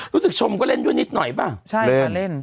รู้สึกชมก็เล่นด้วยนิดหน่อยป่ะใช่ค่ะเล่น